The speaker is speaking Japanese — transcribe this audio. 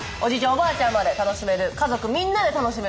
おばあちゃんまで楽しめる家族みんなで楽しめるツアー。